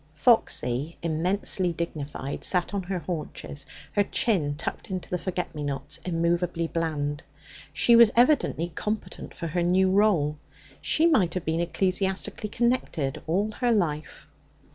Foxy, immensely dignified, sat on her haunches, her chin tucked into the forget me nots, immovably bland. She was evidently competent for her new role; she might have been ecclesiastically connected all her life.